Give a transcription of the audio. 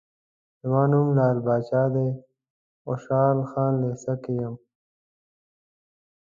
زما نوم لعل پاچا دی، خوشحال خان لېسه کې یم.